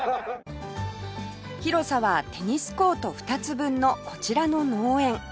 広さはテニスコート２つ分のこちらの農園